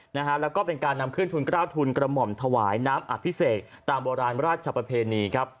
แล้วก็เป็นการนำขึ้นทุนกล้าวทุนกระหม่อมถวายน้ำอภิเษกตามโบราณราชประเพณีครับ